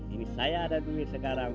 ini saya ada dulu sekarang